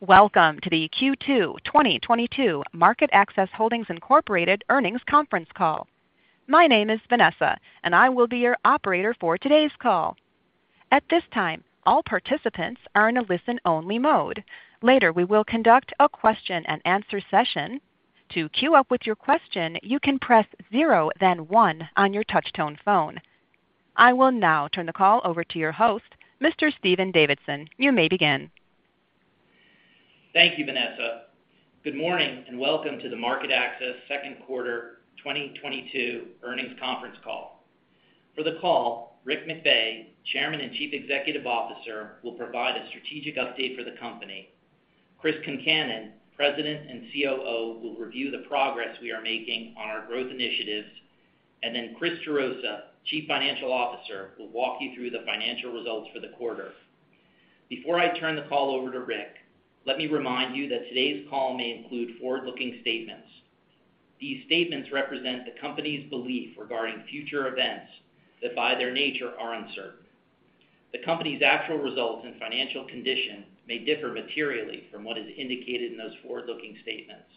Welcome to the Q2 2022 MarketAxess Holdings Inc. Earnings Conference Call. My name is Vanessa, and I will be your operator for today's call. At this time, all participants are in a listen-only mode. Later, we will conduct a question-and-answer session. To queue up with your question, you can press zero then one on your touchtone phone. I will now turn the call over to your host, Mr. Stephen Davidson. You may begin. Thank you, Vanessa. Good morning, and welcome to the MarketAxess Second Quarter 2022 Earnings Conference Call. For the call, Richard McVey, Chairman and Chief Executive Officer, will provide a strategic update for the company. Chris Concannon, President and COO, will review the progress we are making on our growth initiatives. Christopher Gerosa, Chief Financial Officer, will walk you through the financial results for the quarter. Before I turn the call over to Rick, let me remind you that today's call may include forward-looking statements. These statements represent the company's belief regarding future events that, by their nature, are uncertain. The company's actual results and financial condition may differ materially from what is indicated in those forward-looking statements.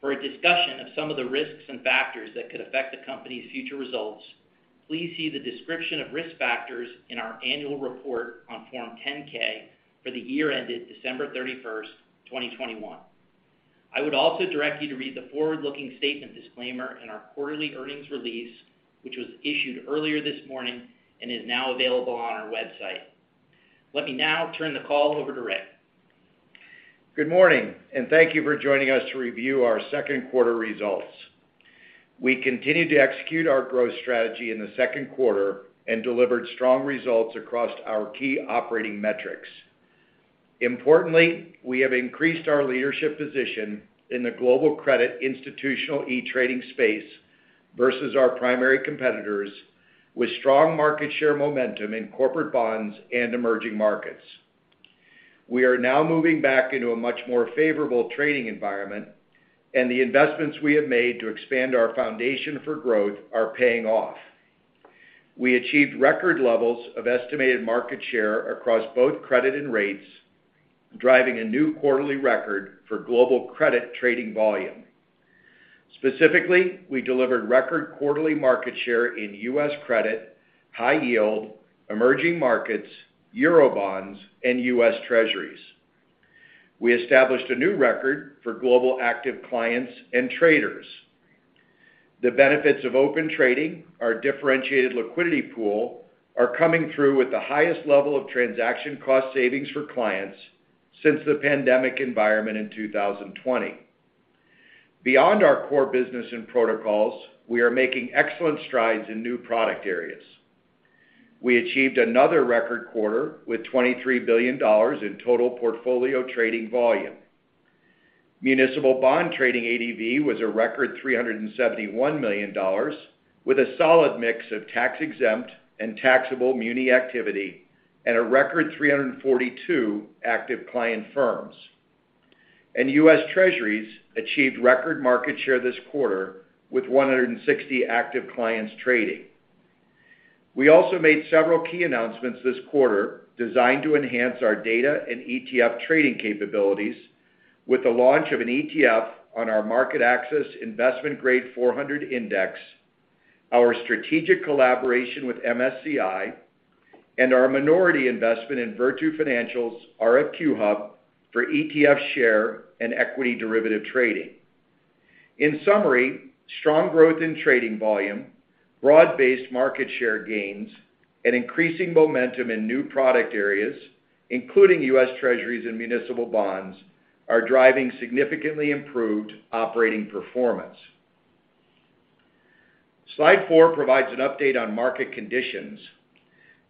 For a discussion of some of the risks and factors that could affect the company's future results, please see the description of risk factors in our annual report on Form 10-K for the year ended December 31st, 2021. I would also direct you to read the forward-looking statement disclaimer in our quarterly earnings release, which was issued earlier this morning and is now available on our website. Let me now turn the call over to Rick. Good morning, and thank you for joining us to review our second quarter results. We continued to execute our growth strategy in the second quarter and delivered strong results across our key operating metrics. Importantly, we have increased our leadership position in the global credit institutional e-trading space versus our primary competitors, with strong market share momentum in corporate bonds and emerging markets. We are now moving back into a much more favorable trading environment, and the investments we have made to expand our foundation for growth are paying off. We achieved record levels of estimated market share across both credit and rates, driving a new quarterly record for global credit trading volume. Specifically, we delivered record quarterly market share in U.S. credit, high yield, emerging markets, Eurobonds, and U.S. Treasuries. We established a new record for global active clients and traders. The benefits of Open Trading, our differentiated liquidity pool, are coming through with the highest level of transaction cost savings for clients since the pandemic environment in 2020. Beyond our core business and protocols, we are making excellent strides in new product areas. We achieved another record quarter with $23 billion in total Portfolio Trading volume. Municipal bond trading ADV was a record $371 million, with a solid mix of tax-exempt and taxable muni activity and a record 342 active client firms. U.S. Treasuries achieved record market share this quarter with 160 active clients trading. We also made several key announcements this quarter designed to enhance our data and ETF trading capabilities with the launch of an ETF on our MarketAxess U.S. Investment Grade 400 Corporate Bond Index, our strategic collaboration with MSCI, and our minority investment in Virtu Financial's RFQ-hub for ETF share and equity derivative trading. In summary, strong growth in trading volume, broad-based market share gains, and increasing momentum in new product areas, including U.S. Treasuries and municipal bonds, are driving significantly improved operating performance. Slide four provides an update on market conditions.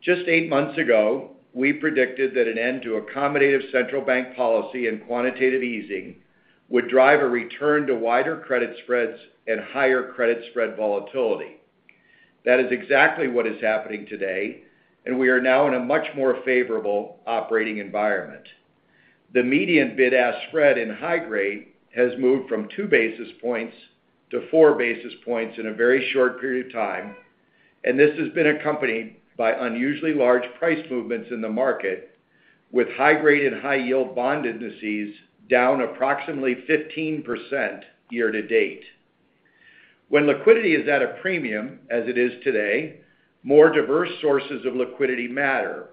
Just eight months ago, we predicted that an end to accommodative central bank policy and quantitative easing would drive a return to wider credit spreads and higher credit spread volatility. That is exactly what is happening today, and we are now in a much more favorable operating environment. The median bid-ask spread in high-grade has moved from two basis points to four basis points in a very short period of time, and this has been accompanied by unusually large price movements in the market, with high-grade and high-yield bond indices down approximately 15% year to date. When liquidity is at a premium, as it is today, more diverse sources of liquidity matter,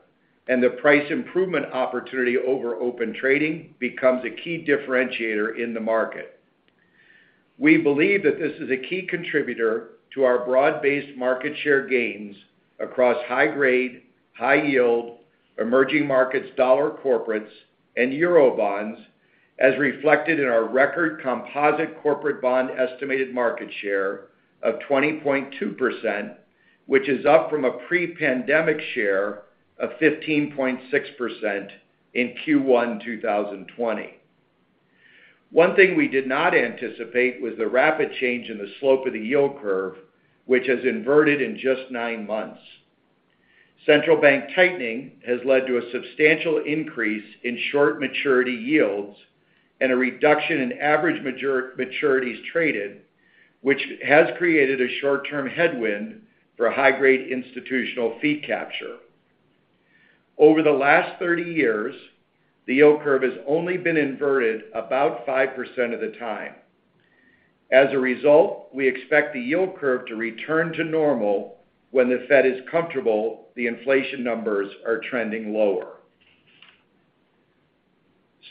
and the price improvement opportunity over Open Trading becomes a key differentiator in the market. We believe that this is a key contributor to our broad-based market share gains across high-grade, high-yield, emerging markets dollar corporates, and Eurobonds, as reflected in our record composite corporate bond estimated market share of 20.2%, which is up from a pre-pandemic share of 15.6% in Q1 2020. One thing we did not anticipate was the rapid change in the slope of the yield curve, which has inverted in just nine months. Central Bank tightening has led to a substantial increase in short maturity yields and a reduction in average maturities traded, which has created a short-term headwind for high-grade institutional fee capture. Over the last 30 years, the yield curve has only been inverted about 5% of the time. As a result, we expect the yield curve to return to normal when the Fed is comfortable, the inflation numbers are trending lower.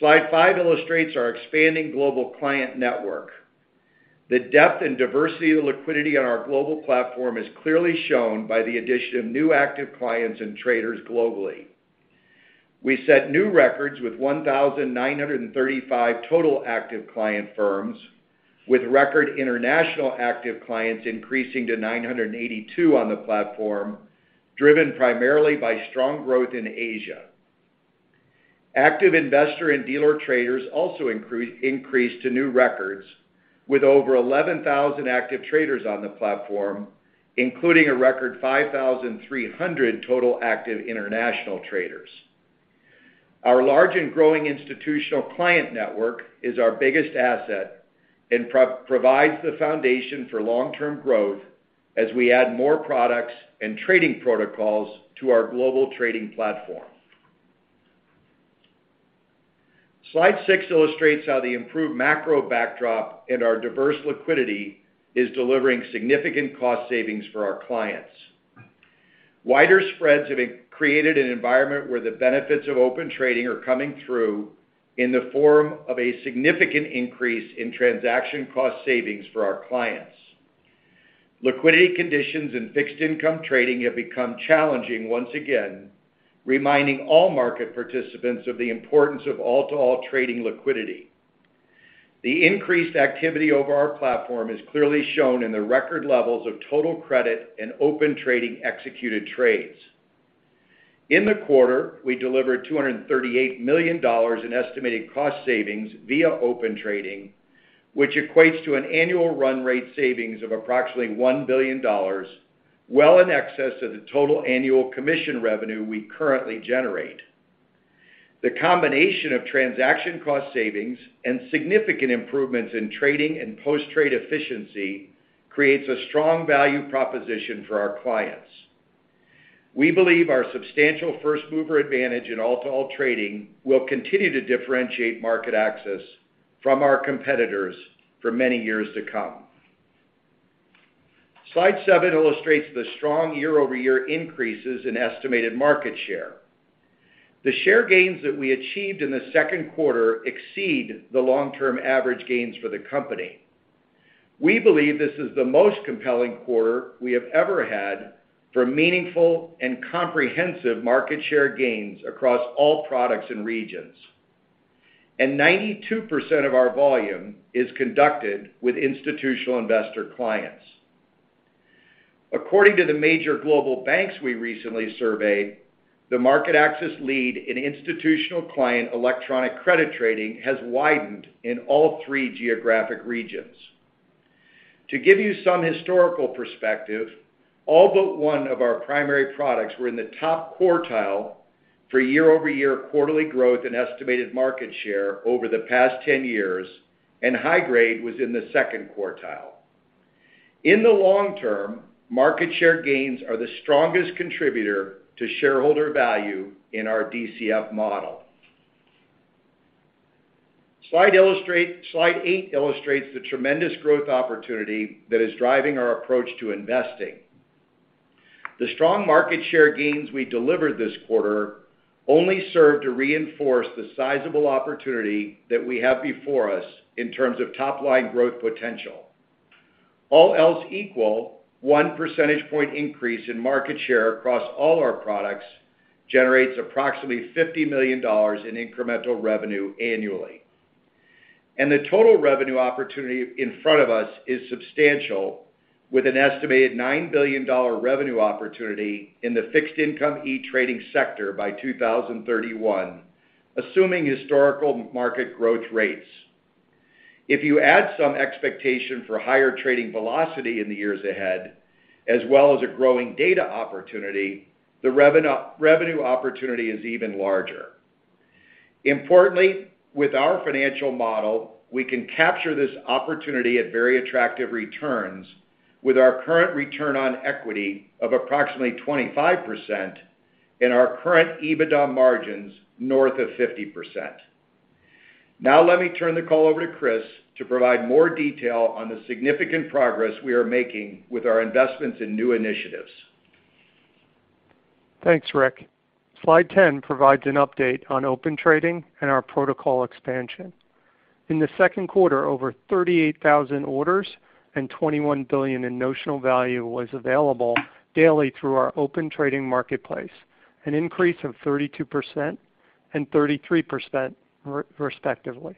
Slide five illustrates our expanding global client network. The depth and diversity of liquidity on our global platform is clearly shown by the addition of new active clients and traders globally. We set new records with 1,935 total active client firms, with record international active clients increasing to 982 on the platform, driven primarily by strong growth in Asia. Active investor and dealer traders also increased to new records with over 11,000 active traders on the platform, including a record 5,300 total active international traders. Our large and growing institutional client network is our biggest asset and provides the foundation for long-term growth as we add more products and trading protocols to our global trading platform. Slide six illustrates how the improved macro backdrop in our diverse liquidity is delivering significant cost savings for our clients. Wider spreads have created an environment where the benefits of Open Trading are coming through in the form of a significant increase in transaction cost savings for our clients. Liquidity conditions and fixed income trading have become challenging once again, reminding all market participants of the importance of all-to-all trading liquidity. The increased activity over our platform is clearly shown in the record levels of total credit and Open Trading executed trades. In the quarter, we delivered $238 million in estimated cost savings via Open Trading, which equates to an annual run rate savings of approximately $1 billion, well in excess of the total annual commission revenue we currently generate. The combination of transaction cost savings and significant improvements in trading and post-trade efficiency creates a strong value proposition for our clients. We believe our substantial first-mover advantage in all-to-all trading will continue to differentiate MarketAxess from our competitors for many years to come. Slide seven illustrates the strong year-over-year increases in estimated market share. The share gains that we achieved in the second quarter exceed the long-term average gains for the company. We believe this is the most compelling quarter we have ever had for meaningful and comprehensive market share gains across all products and regions. 92% of our volume is conducted with institutional investor clients. According to the major global banks we recently surveyed, the MarketAxess lead in institutional client electronic credit trading has widened in all three geographic regions. To give you some historical perspective, all but one of our primary products were in the top quartile for year-over-year quarterly growth and estimated market share over the past 10 years, and high grade was in the second quartile. In the long term, market share gains are the strongest contributor to shareholder value in our DCF model. Slide eight illustrates the tremendous growth opportunity that is driving our approach to investing. The strong market share gains we delivered this quarter only serve to reinforce the sizable opportunity that we have before us in terms of top line growth potential. All else equal, one percentage point increase in market share across all our products generates approximately $50 million in incremental revenue annually. The total revenue opportunity in front of us is substantial, with an estimated $9 billion revenue opportunity in the fixed income e-trading sector by 2031, assuming historical market growth rates. If you add some expectation for higher trading velocity in the years ahead, as well as a growing data opportunity, the revenue opportunity is even larger. Importantly, with our financial model, we can capture this opportunity at very attractive returns with our current return on equity of approximately 25% and our current EBITDA margins north of 50%. Now let me turn the call over to Chris to provide more detail on the significant progress we are making with our investments in new initiatives. Thanks, Rick. Slide 10 provides an update on Open Trading and our protocol expansion. In the second quarter, over 38,000 orders and $21 billion in notional value was available daily through our Open Trading marketplace, an increase of 32% and 33% respectively.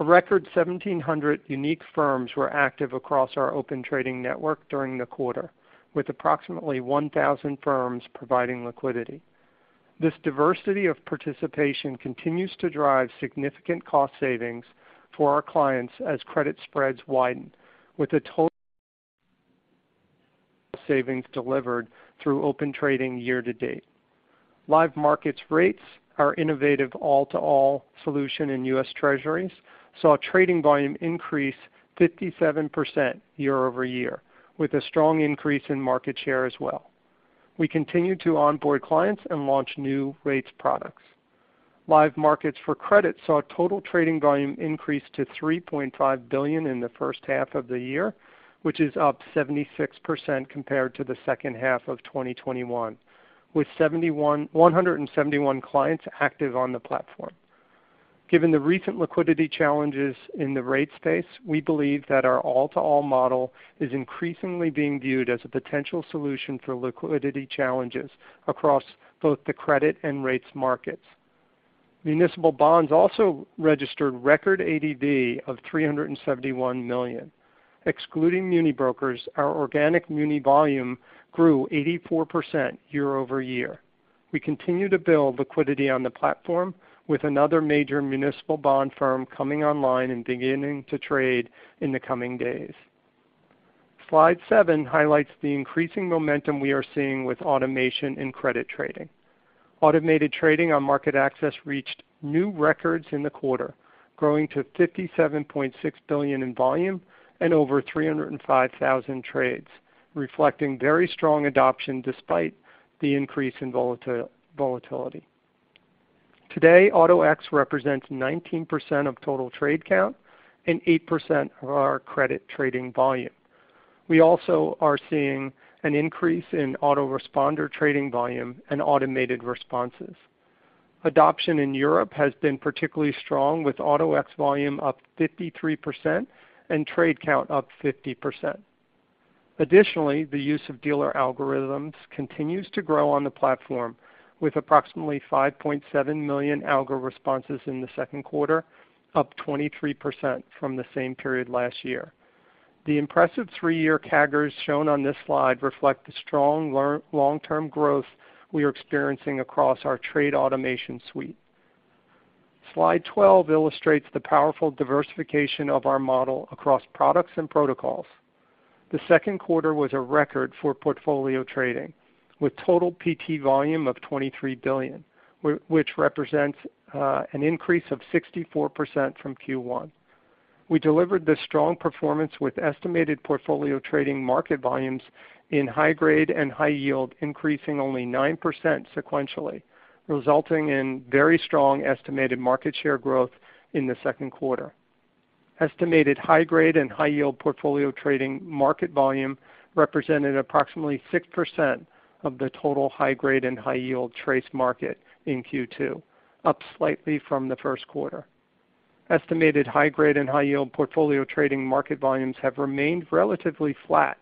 A record 1,700 unique firms were active across our Open Trading network during the quarter, with approximately 1,000 firms providing liquidity. This diversity of participation continues to drive significant cost savings for our clients as credit spreads widen, with total savings delivered through Open Trading year-to-date. Live Markets, our innovative all-to-all solution in U.S. Treasuries, saw trading volume increase 57% year-over-year, with a strong increase in market share as well. We continue to onboard clients and launch new rates products. Live Markets for credit saw total trading volume increase to $3.5 billion in the first half of the year, which is up 76% compared to the second half of 2021, with 171 clients active on the platform. Given the recent liquidity challenges in the rates space, we believe that our all-to-all model is increasingly being viewed as a potential solution for liquidity challenges across both the credit and rates markets. Municipal bonds also registered record ADV of $371 million. Excluding muni brokers, our organic muni volume grew 84% year-over-year. We continue to build liquidity on the platform, with another major municipal bond firm coming online and beginning to trade in the coming days. Slide seven highlights the increasing momentum we are seeing with automation in credit trading. Automated trading on MarketAxess reached new records in the quarter, growing to $57.6 billion in volume and over 305,000 trades, reflecting very strong adoption despite the increase in volatility. Today, Auto-X represents 19% of total trade count and 8% of our credit trading volume. We also are seeing an increase in Auto-Responder trading volume and automated responses. Adoption in Europe has been particularly strong, with Auto-X volume up 53% and trade count up 50%. Additionally, the use of dealer algorithms continues to grow on the platform with approximately 5.7 million algo responses in the second quarter, up 23% from the same period last year. The impressive three-year CAGRs shown on this slide reflect the strong long-term growth we are experiencing across our trade automation suite. Slide 12 illustrates the powerful diversification of our model across products and protocols. The second quarter was a record for portfolio trading, with total PT volume of $23 billion, which represents an increase of 64% from Q1. We delivered this strong performance with estimated portfolio trading market volumes in high grade and high yield increasing only 9% sequentially, resulting in very strong estimated market share growth in the second quarter. Estimated high grade and high yield portfolio trading market volume represented approximately 6% of the total high grade and high yield trade market in Q2, up slightly from the first quarter. Estimated high grade and high yield portfolio trading market volumes have remained relatively flat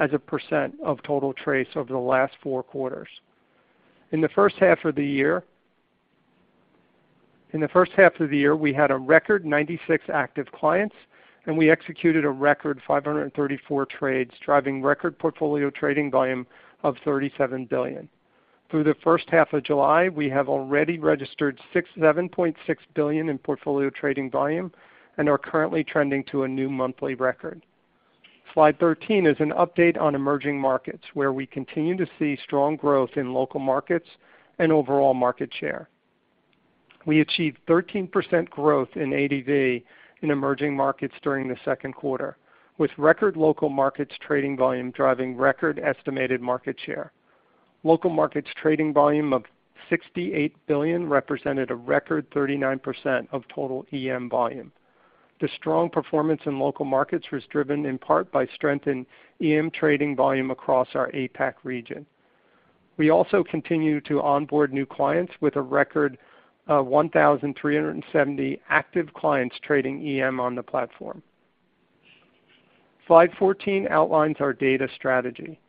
as a percent of total TRACE over the last four quarters. In the first half of the year, we had a record 96 active clients, and we executed a record 534 trades, driving record portfolio trading volume of $37 billion. Through the first half of July, we have already registered $67.6 billion in portfolio trading volume and are currently trending to a new monthly record. Slide 13 is an update on emerging markets, where we continue to see strong growth in local markets and overall market share. We achieved 13% growth in ADV in emerging markets during the second quarter, with record local markets trading volume driving record estimated market share. Local markets trading volume of $68 billion represented a record 39% of total EM volume. The strong performance in local markets was driven in part by strength in EM trading volume across our APAC region. We also continue to onboard new clients with a record 1,370 active clients trading EM on the platform. Slide 14 outlines our data strategy.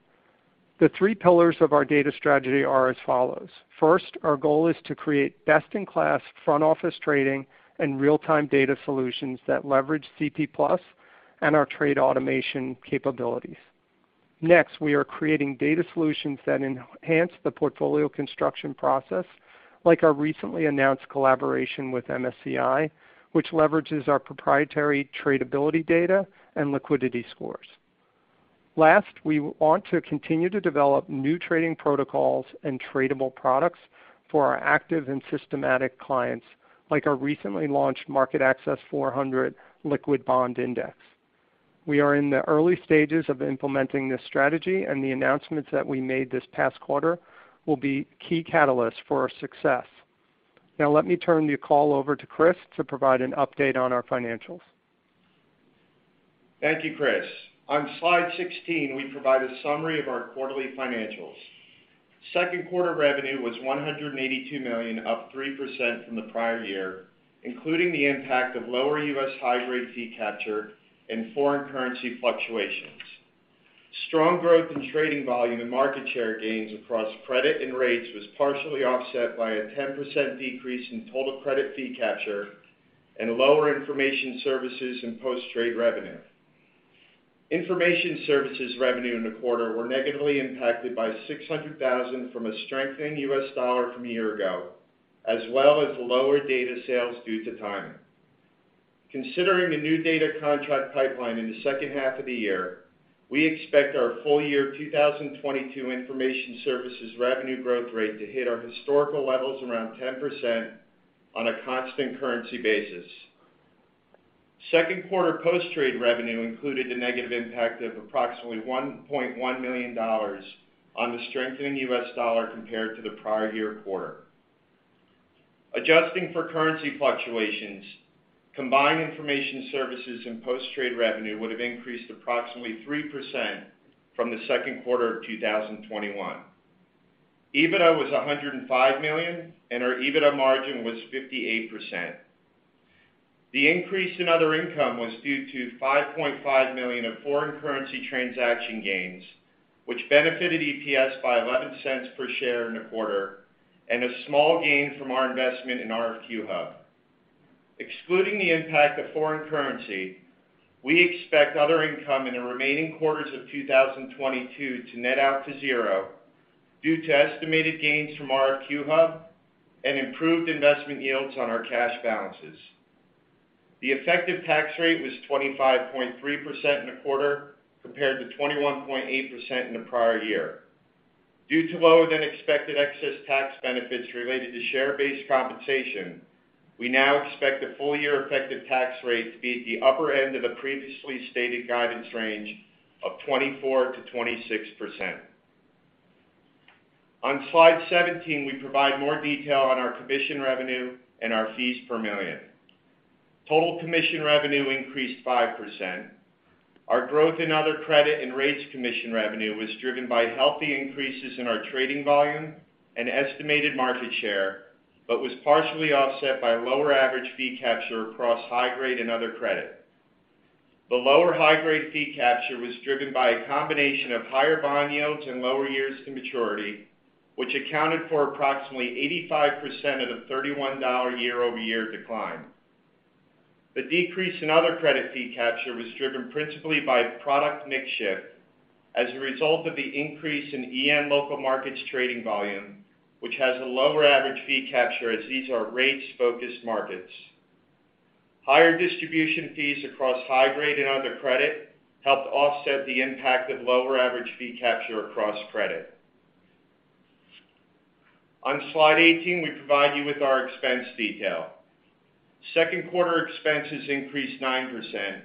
The three pillars of our data strategy are as follows. First, our goal is to create best-in-class front-office trading and real-time data solutions that leverage CP+ and our trade automation capabilities. Next, we are creating data solutions that enhance the portfolio construction process, like our recently announced collaboration with MSCI, which leverages our proprietary tradability data and liquidity scores. Last, we want to continue to develop new trading protocols and tradable products for our active and systematic clients, like our recently launched MarketAxess U.S. Investment Grade 400 Corporate Bond Index. We are in the early stages of implementing this strategy, and the announcements that we made this past quarter will be key catalysts for our success. Now let me turn the call over to Chris to provide an update on our financials. Thank you, Chris. On slide 16, we provide a summary of our quarterly financials. Second quarter revenue was $182 million, up 3% from the prior year, including the impact of lower U.S. high grade fee capture and foreign currency fluctuations. Strong growth in trading volume and market share gains across credit and rates was partially offset by a 10% decrease in total credit fee capture and lower information services and post-trade revenue. Information services revenue in the quarter were negatively impacted by $600,000 from a strengthening U.S. dollar from a year ago, as well as lower data sales due to timing. Considering the new data contract pipeline in the second half of the year, we expect our full-year 2022 information services revenue growth rate to hit our historical levels around 10% on a constant currency basis. Second quarter post-trade revenue included the negative impact of approximately $1.1 million on the strengthening U.S. dollar compared to the prior year quarter. Adjusting for currency fluctuations, combined information services and post-trade revenue would have increased approximately 3% from the second quarter of 2021. EBITDA was $105 million, and our EBITDA margin was 58%. The increase in other income was due to $5.5 million of foreign currency transaction gains, which benefited EPS by $0.11 per share in the quarter, and a small gain from our investment in RFQ-hub. Excluding the impact of foreign currency, we expect other income in the remaining quarters of 2022 to net out to zero due to estimated gains from RFQ-hub and improved investment yields on our cash balances. The effective tax rate was 25.3% in the quarter, compared to 21.8% in the prior year. Due to lower than expected excess tax benefits related to share-based compensation, we now expect the full year effective tax rate to be at the upper end of the previously stated guidance range of 24%-26%. On slide 17, we provide more detail on our commission revenue and our fees per million. Total commission revenue increased 5%. Our growth in other credit and rates commission revenue was driven by healthy increases in our trading volume and estimated market share, but was partially offset by lower average fee capture across high-grade and other credit. The lower high-grade fee capture was driven by a combination of higher bond yields and lower years to maturity, which accounted for approximately 85% of the $31 year-over-year decline. The decrease in other credit fee capture was driven principally by product mix shift as a result of the increase in EM local markets trading volume, which has a lower average fee capture as these are rates-focused markets. Higher distribution fees across high grade and other credit helped offset the impact of lower average fee capture across credit. On slide 18, we provide you with our expense detail. Second quarter expenses increased 9%,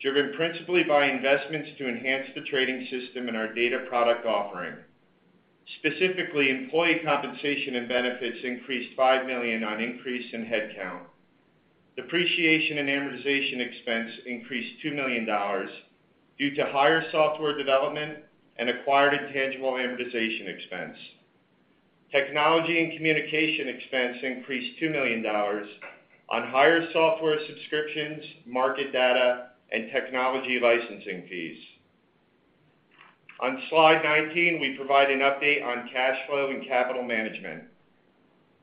driven principally by investments to enhance the trading system and our data product offering. Specifically, employee compensation and benefits increased $5 million on increase in headcount. Depreciation and amortization expense increased $2 million due to higher software development and acquired intangible amortization expense. Technology and communication expense increased $2 million on higher software subscriptions, market data, and technology licensing fees. On slide 19, we provide an update on cash flow and capital management.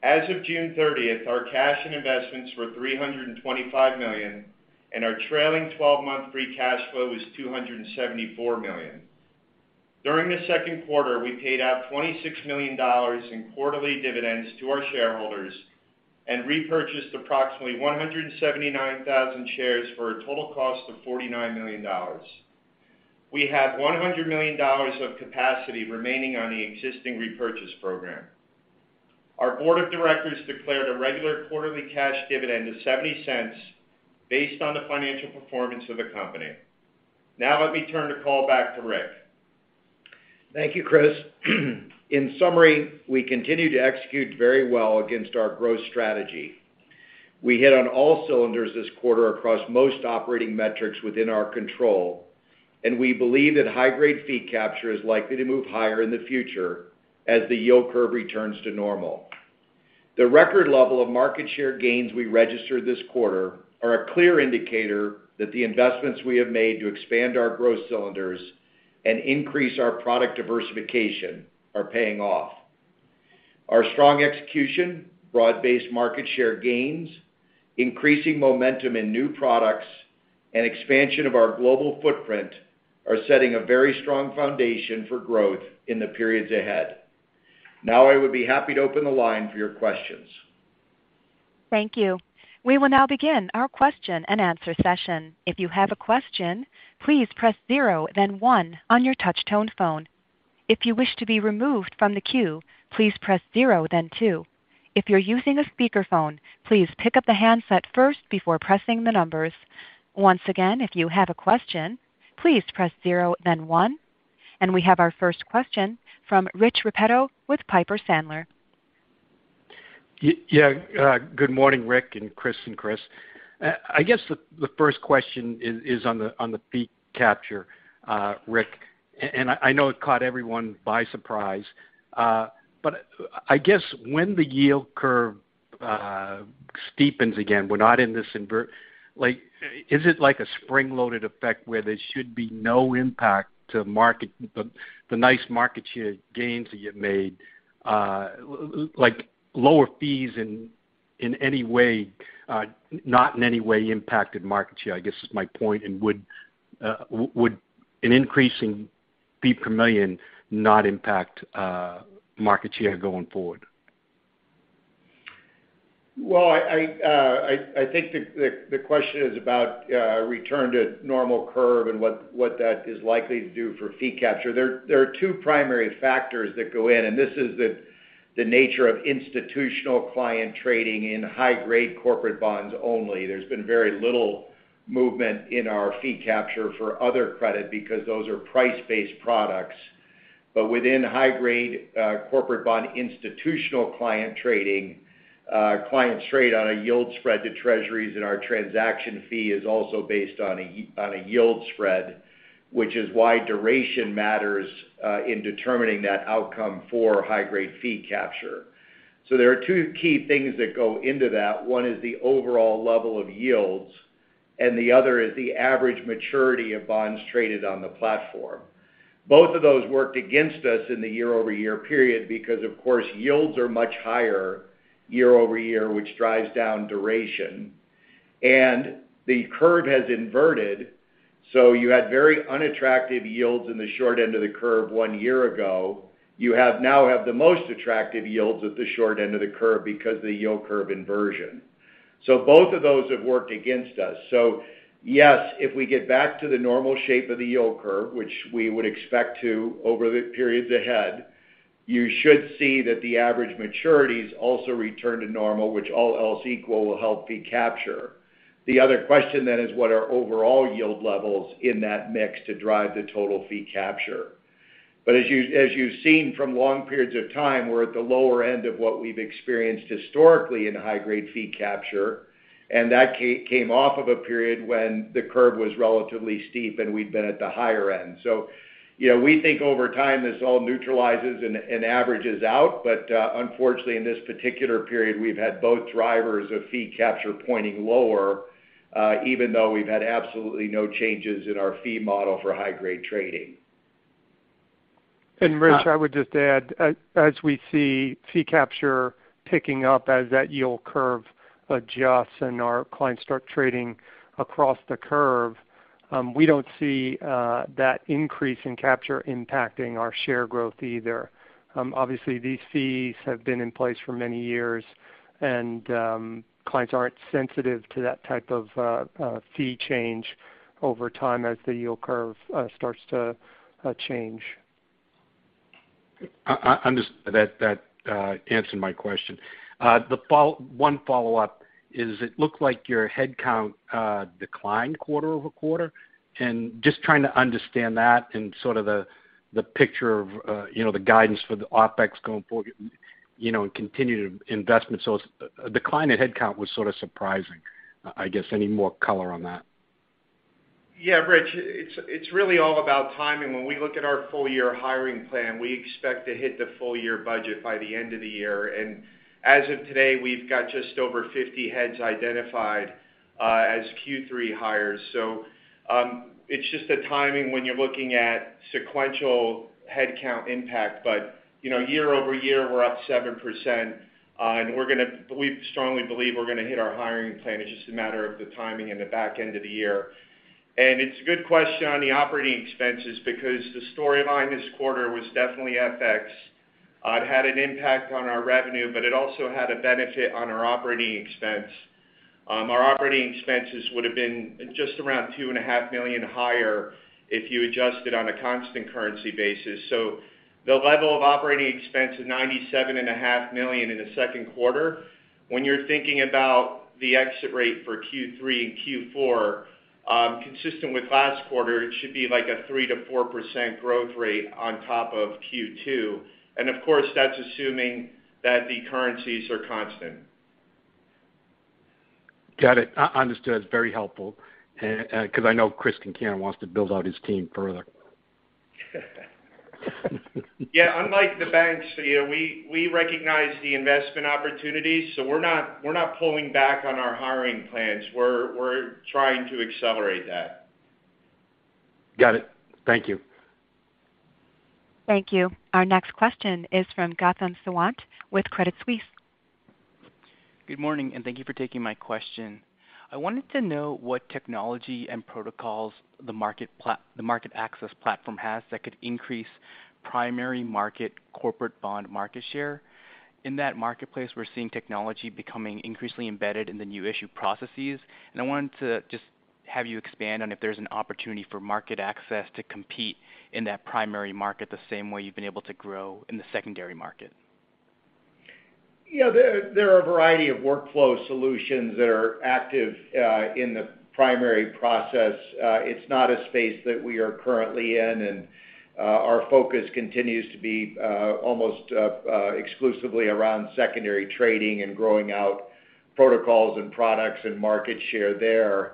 As of June 30th, our cash and investments were $325 million, and our trailing twelve-month free cash flow was $274 million. During the second quarter, we paid out $26 million in quarterly dividends to our shareholders and repurchased approximately 179,000 shares for a total cost of $49 million. We have $100 million of capacity remaining on the existing repurchase program. Our board of directors declared a regular quarterly cash dividend of $0.70 based on the financial performance of the company. Now let me turn the call back to Rick. Thank you, Chris. In summary, we continue to execute very well against our growth strategy. We hit on all cylinders this quarter across most operating metrics within our control, and we believe that high grade fee capture is likely to move higher in the future as the yield curve returns to normal. The record level of market share gains we registered this quarter are a clear indicator that the investments we have made to expand our growth cylinders and increase our product diversification are paying off. Our strong execution, broad-based market share gains, increasing momentum in new products, and expansion of our global footprint are setting a very strong foundation for growth in the periods ahead. Now, I would be happy to open the line for your questions. Thank you. We will now begin our question-and-answer session. If you have a question, please press zero, then one on your touch-tone phone. If you wish to be removed from the queue, please press zero then two. If you're using a speakerphone, please pick up the handset first before pressing the numbers. Once again, if you have a question, please press zero then one. We have our first question from Rich Repetto with Piper Sandler. Yeah, good morning, Rick and Chris and Chris. I guess the first question is on the fee capture, Rick, and I know it caught everyone by surprise. But I guess when the yield curve steepens again, we're not in this. Like, is it like a spring-loaded effect where there should be no impact to the nice market share gains that you made, like lower fees in any way not in any way impacted market share, I guess is my point. Would an increase in fee per million not impact market share going forward? Well, I think the question is about return to normal curve and what that is likely to do for fee capture. There are two primary factors that go in, and this is the nature of institutional client trading in high-grade corporate bonds only. There's been very little movement in our fee capture for other credit because those are price-based products. But within high-grade corporate bond institutional client trading, clients trade on a yield spread to Treasuries, and our transaction fee is also based on a yield spread, which is why duration matters in determining that outcome for high-grade fee capture. There are two key things that go into that. One is the overall level of yields, and the other is the average maturity of bonds traded on the platform. Both of those worked against us in the year-over-year period because, of course, yields are much higher year-over-year, which drives down duration. The curve has inverted, so you had very unattractive yields in the short end of the curve one year ago. You now have the most attractive yields at the short end of the curve because of the yield curve inversion. Both of those have worked against us. Yes, if we get back to the normal shape of the yield curve, which we would expect to over the periods ahead, you should see that the average maturities also return to normal, which all else equal, will help fee capture. The other question then is what are overall yield levels in that mix to drive the total fee capture. As you've seen from long periods of time, we're at the lower end of what we've experienced historically in high-grade fee capture, and that came off of a period when the curve was relatively steep and we'd been at the higher end. You know, we think over time this all neutralizes and averages out. Unfortunately, in this particular period, we've had both drivers of fee capture pointing lower, even though we've had absolutely no changes in our fee model for high-grade trading. Rich, I would just add, as we see fee capture picking up as that yield curve adjusts and our clients start trading across the curve, we don't see that increase in capture impacting our share growth either. Obviously, these fees have been in place for many years, and clients aren't sensitive to that type of fee change over time as the yield curve starts to change. That answered my question. The one follow-up is, it looked like your headcount declined quarter-over-quarter. Just trying to understand that and sort of the picture of, you know, the guidance for the OpEx going forward, you know, and continued investment. A decline in headcount was sort of surprising. I guess any more color on that? Yeah, Rich, it's really all about timing. When we look at our full-year hiring plan, we expect to hit the full-year budget by the end of the year. As of today, we've got just over 50 heads identified as Q3 hires. It's just the timing when you're looking at sequential headcount impact. You know, year-over-year, we're up 7%. We strongly believe we're gonna hit our hiring plan. It's just a matter of the timing in the back end of the year. It's a good question on the operating expenses because the storyline this quarter was definitely FX. It had an impact on our revenue, but it also had a benefit on our operating expense. Our operating expenses would've been just around $2.5 million higher if you adjusted on a constant currency basis. The level of operating expense is $97.5 million in the second quarter. When you're thinking about the exit rate for Q3 and Q4, consistent with last quarter, it should be like a 3%-4% growth rate on top of Q2. Of course, that's assuming that the currencies are constant. Got it. Understood. Very helpful. 'Cause I know Chris Concannon wants to build out his team further. Yeah, unlike the banks, you know, we recognize the investment opportunities, so we're not pulling back on our hiring plans. We're trying to accelerate that. Got it. Thank you. Thank you. Our next question is from Gautam Sawant with Credit Suisse. Good morning, and thank you for taking my question. I wanted to know what technology and protocols the MarketAxess platform has that could increase primary market corporate bond market share. In that marketplace, we're seeing technology becoming increasingly embedded in the new issue processes. I wanted to just have you expand on if there's an opportunity for MarketAxess to compete in that primary market the same way you've been able to grow in the secondary market. Yeah. There are a variety of workflow solutions that are active in the primary process. It's not a space that we are currently in, and our focus continues to be almost exclusively around secondary trading and growing out protocols and products and market share there.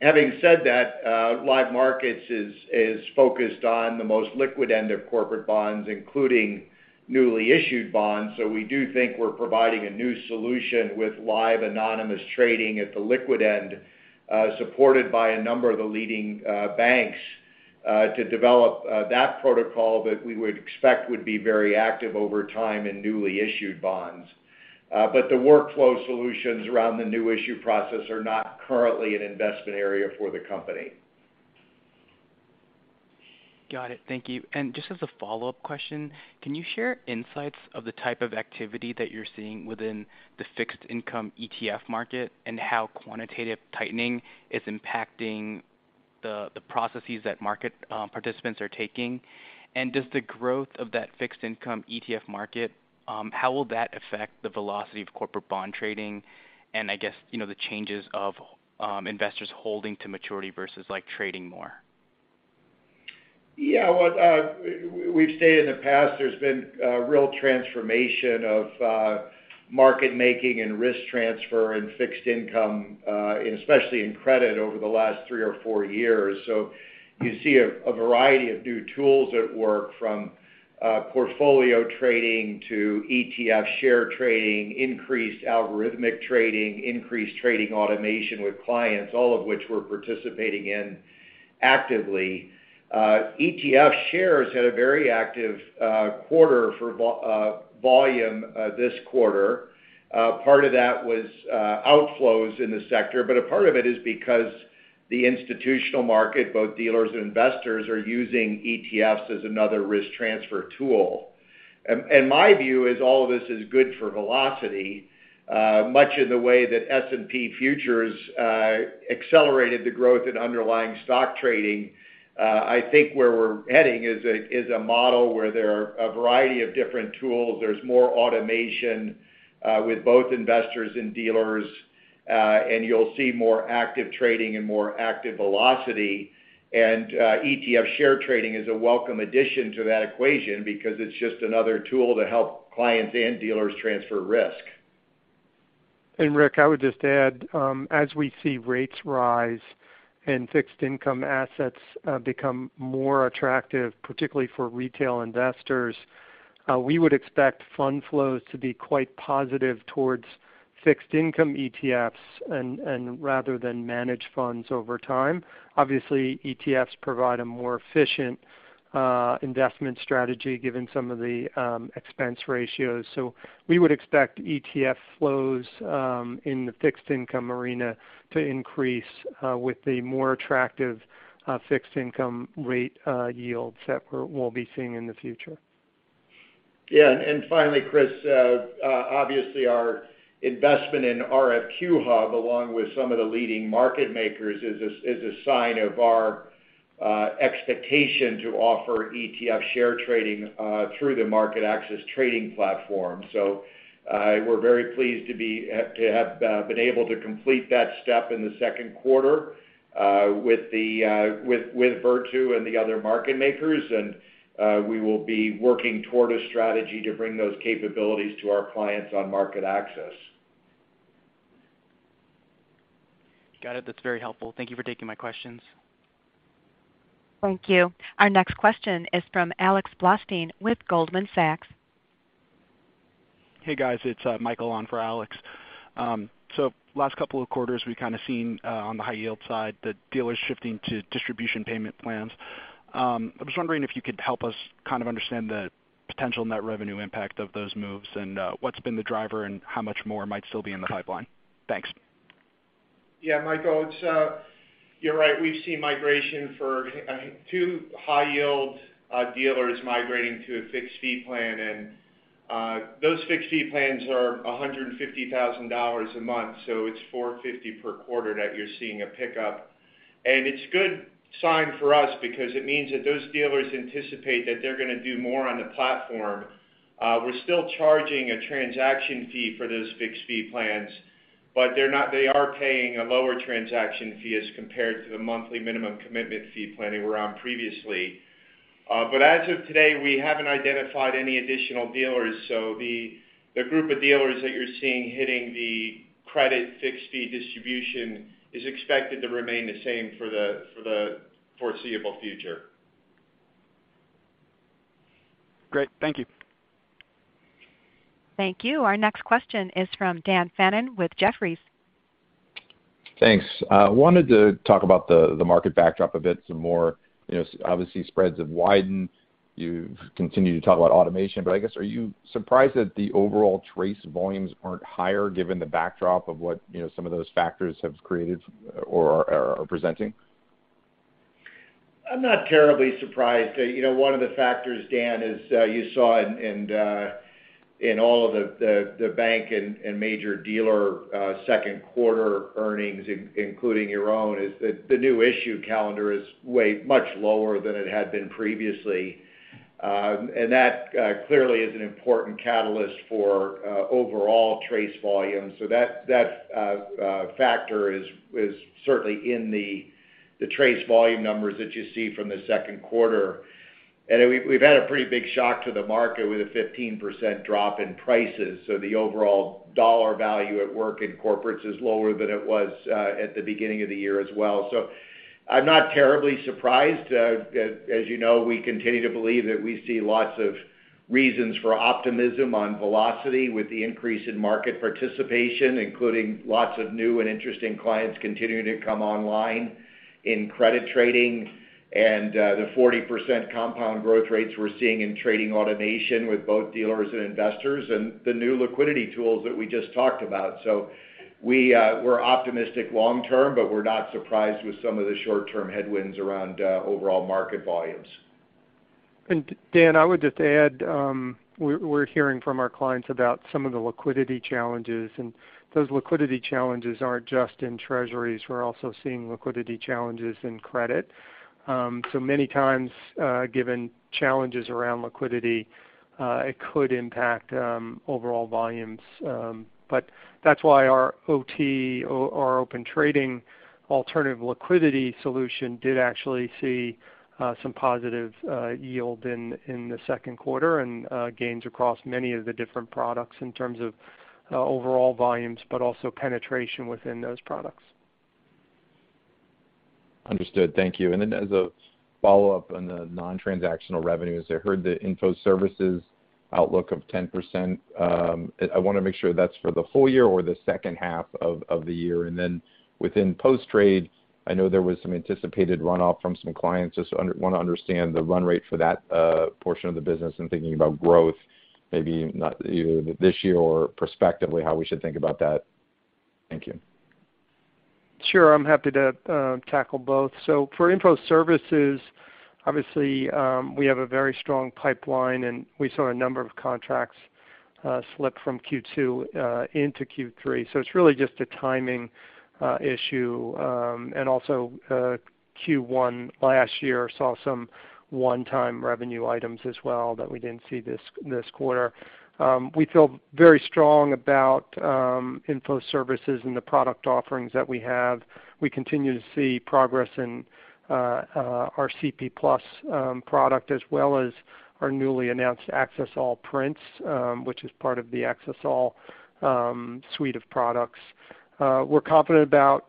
Having said that, Live Markets is focused on the most liquid end of corporate bonds, including newly issued bonds. We do think we're providing a new solution with live anonymous trading at the liquid end, supported by a number of the leading banks to develop that protocol that we would expect would be very active over time in newly issued bonds. The workflow solutions around the new issue process are not currently an investment area for the company. Got it. Thank you. Just as a follow-up question, can you share insights of the type of activity that you're seeing within the fixed income ETF market and how quantitative tightening is impacting the processes that market participants are taking? Does the growth of that fixed income ETF market, how will that affect the velocity of corporate bond trading? I guess, you know, the changes of investors holding to maturity versus, like, trading more. Yeah. What we've stated in the past, there's been a real transformation of market-making and risk transfer in fixed income and especially in credit over the last three or four years. You see a variety of new tools at work, from Portfolio Trading to ETF share trading, increased algorithmic trading, increased trading automation with clients, all of which we're participating in actively. ETF shares had a very active quarter for volume this quarter. Part of that was outflows in the sector, but a part of it is because the institutional market, both dealers and investors, are using ETFs as another risk transfer tool. My view is all of this is good for velocity, much in the way that S&P futures accelerated the growth in underlying stock trading. I think where we're heading is a model where there are a variety of different tools. There's more automation with both investors and dealers, and you'll see more active trading and more active velocity. ETF share trading is a welcome addition to that equation because it's just another tool to help clients and dealers transfer risk. Rick, I would just add, as we see rates rise and fixed income assets become more attractive, particularly for retail investors, we would expect fund flows to be quite positive towards fixed income ETFs and rather than managed funds over time. Obviously, ETFs provide a more efficient investment strategy given some of the expense ratios. We would expect ETF flows in the fixed income arena to increase with the more attractive fixed income rate yields that we'll be seeing in the future. Yeah. Finally, Chris, obviously our investment in RFQ-hub, along with some of the leading market makers, is a sign of our expectation to offer ETF share trading through the MarketAxess trading platform. We're very pleased to have been able to complete that step in the second quarter with Virtu and the other market makers. We will be working toward a strategy to bring those capabilities to our clients on MarketAxess. Got it. That's very helpful. Thank you for taking my questions. Thank you. Our next question is from Alexander Blostein with Goldman Sachs. Hey, guys. It's Michael on for Alex. Last couple of quarters, we've kind of seen on the high yield side, the dealers shifting to distribution payment plans. I'm just wondering if you could help us kind of understand the potential net revenue impact of those moves and what's been the driver and how much more might still be in the pipeline. Thanks. Yeah, Michael, it's you're right. We've seen migration for two high yield dealers migrating to a fixed fee plan. Those fixed fee plans are $150,000 a month, so it's $450,000 per quarter that you're seeing a pickup. It's a good sign for us because it means that those dealers anticipate that they're gonna do more on the platform. We're still charging a transaction fee for those fixed fee plans, but they are paying a lower transaction fee as compared to the monthly minimum commitment fee plan they were on previously. But as of today, we haven't identified any additional dealers. The group of dealers that you're seeing hitting the credit fixed fee distribution is expected to remain the same for the foreseeable future. Great. Thank you. Thank you. Our next question is from Daniel Fannon with Jefferies. Thanks. Wanted to talk about the market backdrop a bit some more. You know, obviously, spreads have widened. You've continued to talk about automation. But I guess, are you surprised that the overall TRACE volumes aren't higher given the backdrop of what, you know, some of those factors have created or are presenting? I'm not terribly surprised. You know, one of the factors, Dan, is that you saw in all of the bank and major dealer second quarter earnings including your own, that the new issue calendar is way much lower than it had been previously. That clearly is an important catalyst for overall TRACE volume. That factor is certainly in the TRACE volume numbers that you see from the second quarter. We've had a pretty big shock to the market with a 15% drop in prices. The overall dollar value at work in corporates is lower than it was at the beginning of the year as well. I'm not terribly surprised. As you know, we continue to believe that we see lots of reasons for optimism on velocity with the increase in market participation, including lots of new and interesting clients continuing to come online in credit trading and the 40% compound growth rates we're seeing in trading automation with both dealers and investors and the new liquidity tools that we just talked about. We're optimistic long term, but we're not surprised with some of the short-term headwinds around overall market volumes. Dan, I would just add, we're hearing from our clients about some of the liquidity challenges, and those liquidity challenges aren't just in Treasuries. We're also seeing liquidity challenges in credit. Many times, given challenges around liquidity, it could impact overall volumes. That's why our OT, or our Open Trading alternative liquidity solution did actually see some positive yield in the second quarter and gains across many of the different products in terms of overall volumes, but also penetration within those products. Understood. Thank you. As a follow-up on the non-transactional revenues, I heard the info services outlook of 10%. I wanna make sure that's for the whole year or the second half of the year. Within post-trade, I know there was some anticipated runoff from some clients. I wanna understand the run rate for that portion of the business and thinking about growth, maybe not either this year or prospectively, how we should think about that. Thank you. Sure. I'm happy to tackle both. For info services, obviously, we have a very strong pipeline, and we saw a number of contracts slip from Q2 into Q3. It's really just a timing issue, and also, Q1 last year saw some one-time revenue items as well that we didn't see this quarter. We feel very strong about info services and the product offerings that we have. We continue to see progress in our CP+ product, as well as our newly announced Axess All Prints, which is part of the Axess All suite of products. We're confident about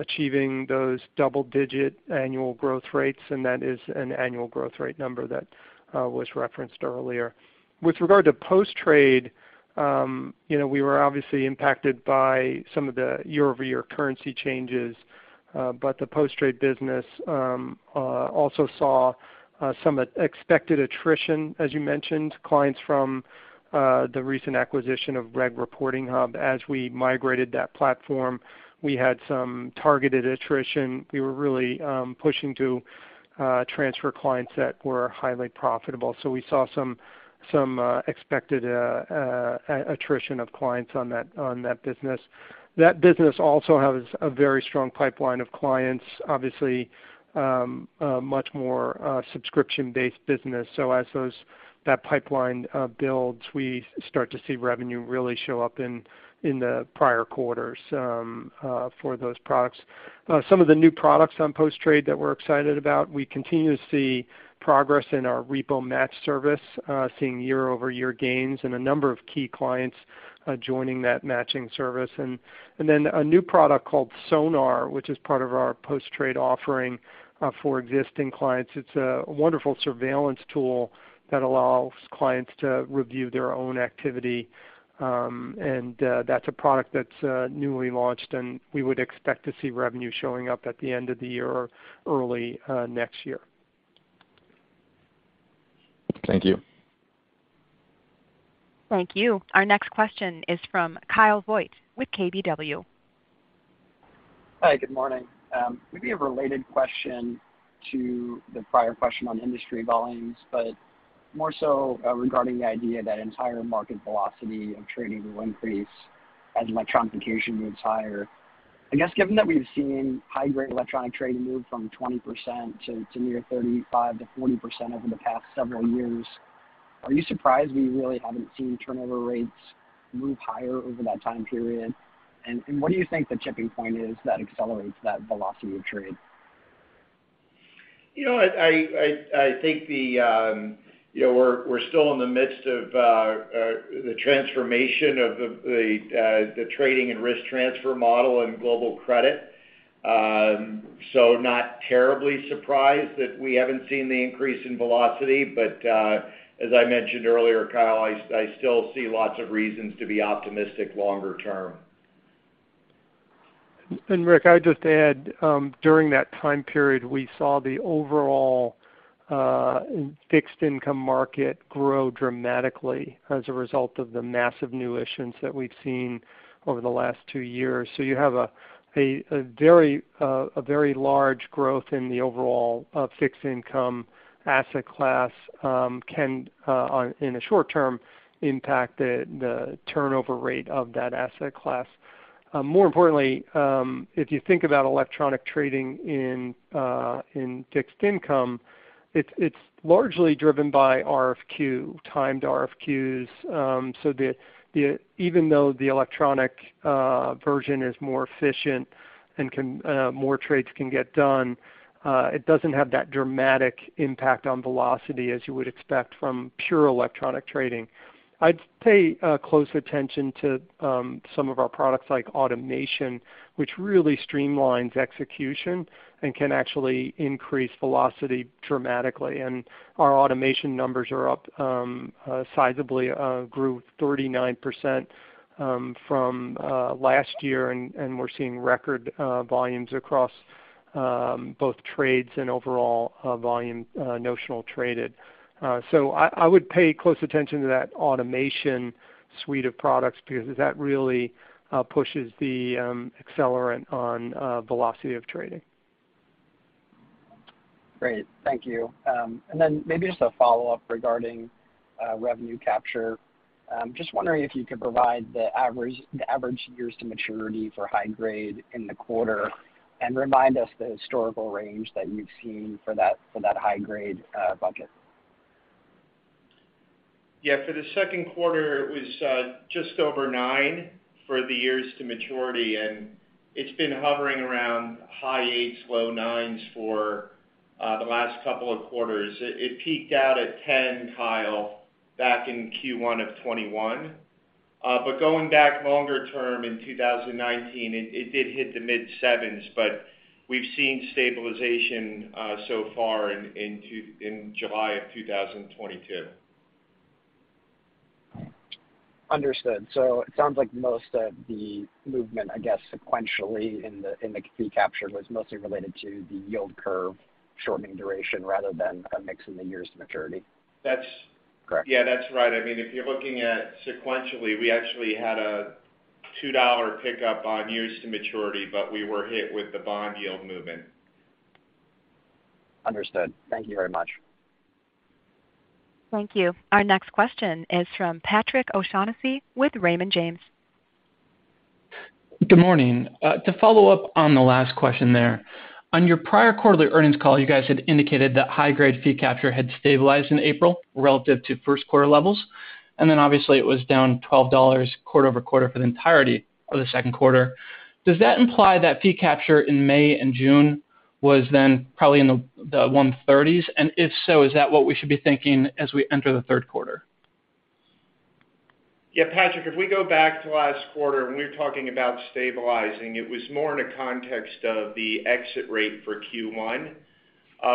achieving those double digit annual growth rates, and that is an annual growth rate number that was referenced earlier. With regard to post-trade, you know, we were obviously impacted by some of the year-over-year currency changes, but the post-trade business also saw some expected attrition, as you mentioned, clients from the recent acquisition of Regulatory Reporting Hub. As we migrated that platform, we had some targeted attrition. We were really pushing to transfer clients that were highly profitable. So we saw some expected attrition of clients on that business. That business also has a very strong pipeline of clients, obviously, a much more subscription-based business. So as that pipeline builds, we start to see revenue really show up in the prior quarters for those products. Some of the new products on post-trade that we're excited about, we continue to see progress in our Repo Match service, seeing year-over-year gains and a number of key clients joining that matching service. A new product called Sonar, which is part of our post-trade offering, for existing clients. It's a wonderful surveillance tool that allows clients to review their own activity. That's a product that's newly launched, and we would expect to see revenue showing up at the end of the year or early next year. Thank you. Thank you. Our next question is from Kyle Voigt with KBW. Hi, good morning. Maybe a related question to the prior question on industry volumes, but more so, regarding the idea that entire market velocity of trading will increase as electronification moves higher. I guess, given that we've seen high grade electronic trading move from 20% to near 35%-40% over the past several years, are you surprised we really haven't seen turnover rates move higher over that time period? What do you think the tipping point is that accelerates that velocity of trade? You know what? I think the, you know, we're still in the midst of the transformation of the trading and risk transfer model and global credit. Not terribly surprised that we haven't seen the increase in velocity. As I mentioned earlier, Kyle, I still see lots of reasons to be optimistic longer term. Rick, I would just add, during that time period, we saw the overall fixed income market grow dramatically as a result of the massive new issuance that we've seen over the last two years. You have a very large growth in the overall fixed income asset class, can in the short term impact the turnover rate of that asset class. More importantly, if you think about electronic trading in fixed income, it's largely driven by RFQ, timed RFQs. Even though the electronic version is more efficient and more trades can get done, it doesn't have that dramatic impact on velocity as you would expect from pure electronic trading. I'd pay close attention to some of our products like automation, which really streamlines execution and can actually increase velocity dramatically. Our automation numbers are up sizably, grew 39% from last year, and we're seeing record volumes across both trades and overall volume notional traded. I would pay close attention to that automation suite of products because that really pushes the accelerant on velocity of trading. Great. Thank you. Maybe just a follow-up regarding revenue capture. Just wondering if you could provide the average years to maturity for high grade in the quarter and remind us the historical range that you've seen for that high grade bucket. Yeah. For the second quarter, it was just over nine for the years to maturity, and it's been hovering around high eights, low nines for the last couple of quarters. It peaked out at 10, Kyle, back in Q1 of 2021. Going back longer term in 2019, it did hit the mid sevens, but we've seen stabilization so far in July of 2022. Understood. It sounds like most of the movement, I guess, sequentially in the fee capture was mostly related to the yield curve shortening duration rather than a mix in the years to maturity. That's- Correct. Yeah, that's right. I mean, if you're looking at sequentially, we actually had a $2 pickup on years to maturity, but we were hit with the bond yield movement. Understood. Thank you very much. Thank you. Our next question is from Patrick O'Shaughnessy with Raymond James. Good morning. To follow up on the last question there. On your prior quarterly earnings call, you guys had indicated that high grade fee capture had stabilized in April relative to first quarter levels, and then obviously it was down $12 quarter-over-quarter for the entirety of the second quarter. Does that imply that fee capture in May and June was then probably in the 130s? And if so, is that what we should be thinking as we enter the third quarter? Yeah, Patrick, if we go back to last quarter when we were talking about stabilizing, it was more in the context of the exit rate for Q1.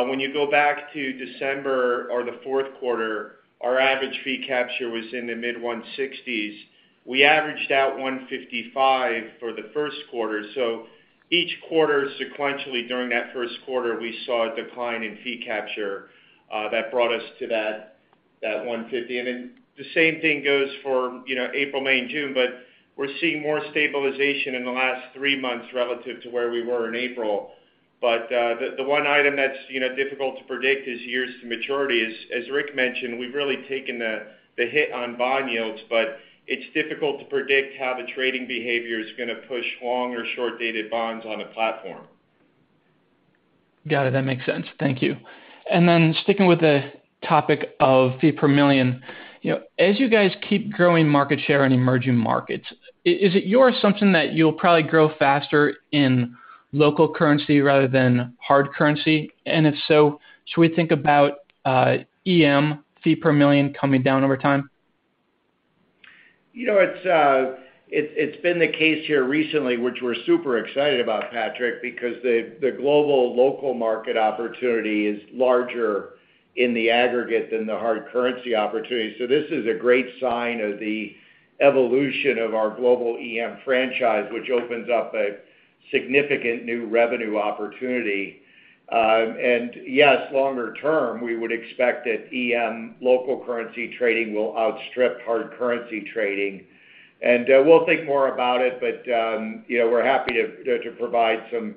When you go back to December or the fourth quarter, our average fee capture was in the mid-160s. We averaged out 155 for the first quarter. Each quarter sequentially during that first quarter, we saw a decline in fee capture that brought us to that 150. Then the same thing goes for, you know, April, May, and June, but we're seeing more stabilization in the last three months relative to where we were in April. The one item that's, you know, difficult to predict is years to maturity. Rick mentioned, we've really taken the hit on bond yields, but it's difficult to predict how the trading behavior is gonna push long or short-dated bonds on the platform. Got it. That makes sense. Thank you. Sticking with the topic of fee per million, you know, as you guys keep growing market share in emerging markets, is it your assumption that you'll probably grow faster in local currency rather than hard currency? If so, should we think about EM fee per million coming down over time? You know, it's been the case here recently, which we're super excited about, Patrick, because the global local market opportunity is larger in the aggregate than the hard currency opportunity. This is a great sign of the evolution of our global EM franchise, which opens up a significant new revenue opportunity. Yes, longer term, we would expect that EM local currency trading will outstrip hard currency trading. We'll think more about it, but you know, we're happy to provide some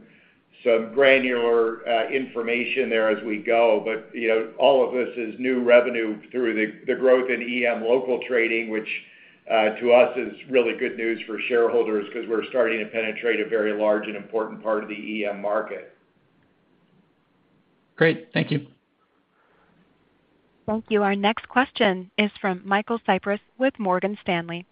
granular information there as we go. You know, all of this is new revenue through the growth in EM local trading, which to us is really good news for shareholders 'cause we're starting to penetrate a very large and important part of the EM market. Great. Thank you. Thank you. Our next question is from Michael Cyprys with Morgan Stanley.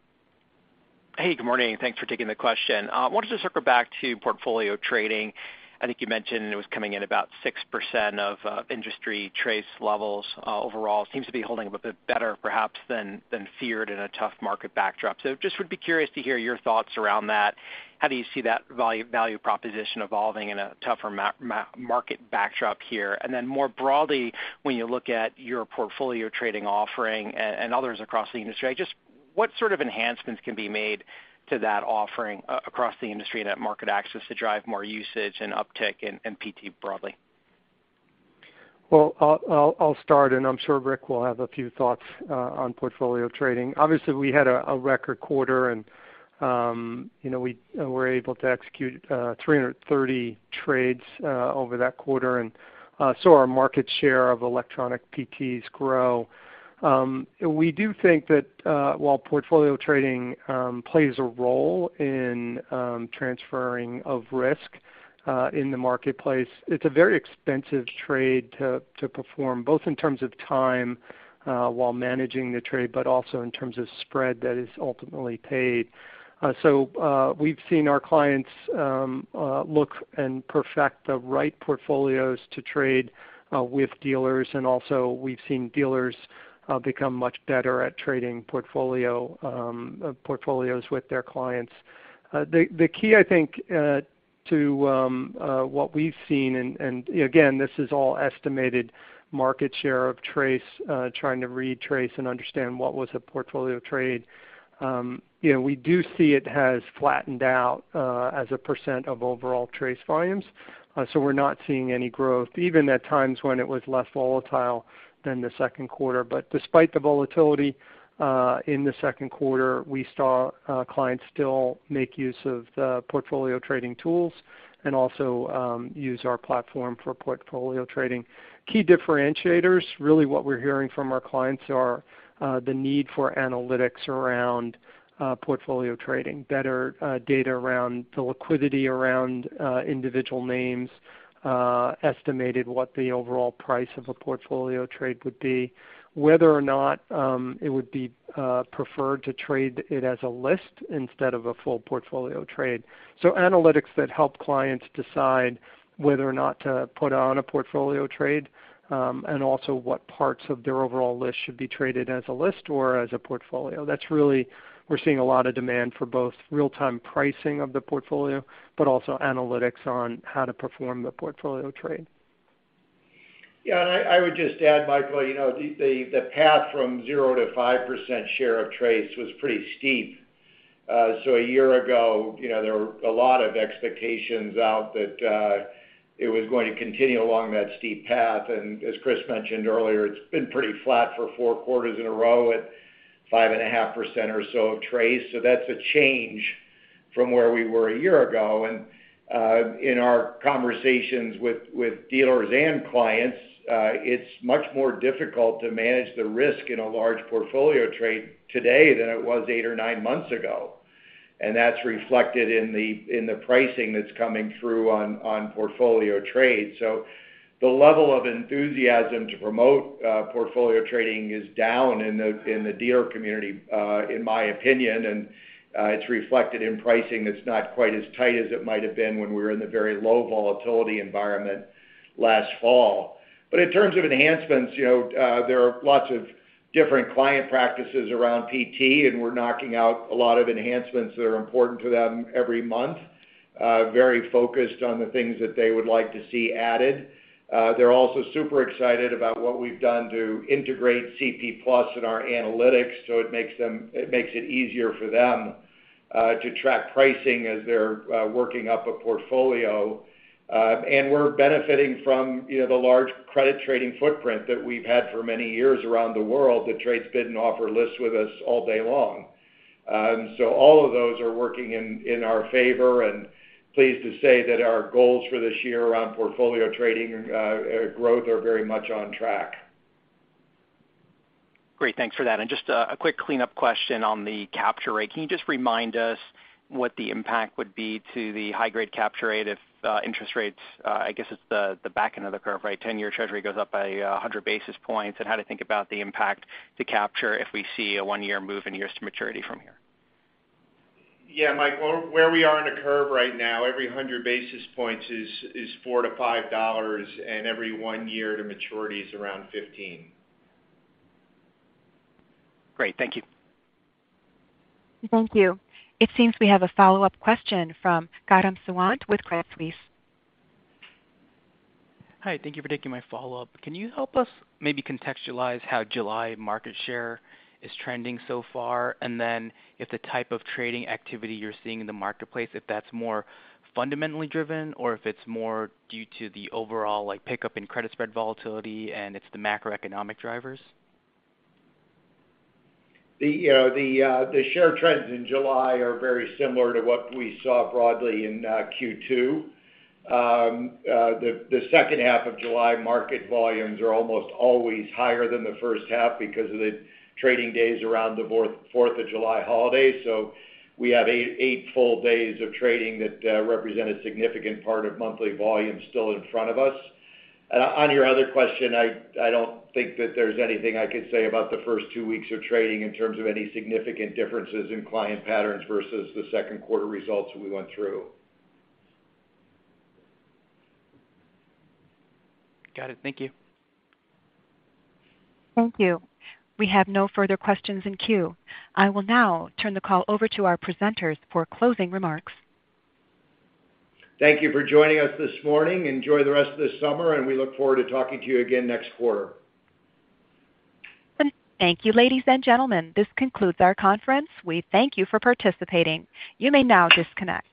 Hey, good morning, and thanks for taking the question. Wanted to circle back to Portfolio Trading. I think you mentioned it was coming in about 6% of industry TRACE levels overall. Seems to be holding a bit better perhaps than feared in a tough market backdrop. Just would be curious to hear your thoughts around that. How do you see that value proposition evolving in a tougher market backdrop here? More broadly, when you look at your Portfolio Trading offering and others across the industry, just what sort of enhancements can be made to that offering across the industry and that MarketAxess to drive more usage and uptick in PT broadly? Well, I'll start, and I'm sure Rick will have a few thoughts on portfolio trading. Obviously, we had a record quarter and, you know, we were able to execute 330 trades over that quarter and saw our market share of electronic PTs grow. We do think that while portfolio trading plays a role in transferring of risk in the marketplace, it's a very expensive trade to perform, both in terms of time while managing the trade, but also in terms of spread that is ultimately paid. So, we've seen our clients look and perfect the right portfolios to trade with dealers, and also we've seen dealers become much better at trading portfolios with their clients. The key I think to what we've seen and again, this is all estimated market share of TRACE, trying to retrace and understand what was a portfolio trade. You know, we do see it has flattened out as a percent of overall TRACE volumes. We're not seeing any growth even at times when it was less volatile than the second quarter. Despite the volatility in the second quarter, we saw clients still make use of the portfolio trading tools and also use our platform for portfolio trading. Key differentiators, really what we're hearing from our clients are the need for analytics around portfolio trading, better data around the liquidity around individual names, estimated what the overall price of a portfolio trade would be. Whether or not it would be preferred to trade it as a list instead of a full portfolio trade. Analytics that help clients decide whether or not to put on a portfolio trade, and also what parts of their overall list should be traded as a list or as a portfolio. That's really where we're seeing a lot of demand for both real-time pricing of the portfolio, but also analytics on how to perform the portfolio trade. Yeah, I would just add, Michael, you know, the path from 0% to 5% share of trades was pretty steep. A year ago, you know, there were a lot of expectations out that it was going to continue along that steep path. As Chris mentioned earlier, it's been pretty flat for four quarters in a row at 5.5% or so of trades. That's a change from where we were a year ago. In our conversations with dealers and clients, it's much more difficult to manage the risk in a large portfolio trade today than it was eight or nine months ago. That's reflected in the pricing that's coming through on portfolio trades. The level of enthusiasm to promote portfolio trading is down in the dealer community, in my opinion, and it's reflected in pricing that's not quite as tight as it might have been when we were in the very low volatility environment last fall. In terms of enhancements, you know, there are lots of different client practices around PT, and we're knocking out a lot of enhancements that are important to them every month. Very focused on the things that they would like to see added. They're also super excited about what we've done to integrate CP+ in our analytics, so it makes it easier for them to track pricing as they're working up a portfolio. We're benefiting from, you know, the large credit trading footprint that we've had for many years around the world that trades bid and offer lists with us all day long. All of those are working in our favor, and pleased to say that our goals for this year around portfolio trading growth are very much on track. Great. Thanks for that. Just a quick cleanup question on the capture rate. Can you just remind us what the impact would be to the high grade capture rate if interest rates, I guess it's the back end of the curve, right? 10-year Treasury goes up by 100 basis points, and how to think about the impact to capture if we see a 1-year move in years to maturity from here. Yeah, Mike, where we are in the curve right now, every 100 basis points is $4-$5, and every one year to maturity is around $15. Great. Thank you. Thank you. It seems we have a follow-up question from Gautam Sawant with Credit Suisse. Hi. Thank you for taking my follow-up. Can you help us maybe contextualize how July market share is trending so far? If the type of trading activity you're seeing in the marketplace, if that's more fundamentally driven or if it's more due to the overall, like, pickup in credit spread volatility and it's the macroeconomic drivers. The share trends in July are very similar to what we saw broadly in Q2. The second half of July market volumes are almost always higher than the first half because of the trading days around the Fourth of July holiday. We have eight full days of trading that represent a significant part of monthly volume still in front of us. On your other question, I don't think that there's anything I could say about the first two weeks of trading in terms of any significant differences in client patterns versus the second quarter results we went through. Got it. Thank you. Thank you. We have no further questions in queue. I will now turn the call over to our presenters for closing remarks. Thank you for joining us this morning. Enjoy the rest of the summer, and we look forward to talking to you again next quarter. Thank you, ladies and gentlemen. This concludes our conference. We thank you for participating. You may now disconnect.